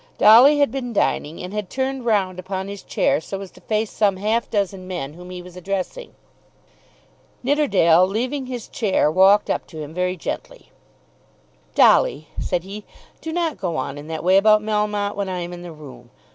Dolly had been dining, and had turned round upon his chair so as to face some half dozen men whom he was addressing. Nidderdale leaving his chair walked up to him very gently. "Dolly," said he, "do not go on in that way about Melmotte when I am in the room.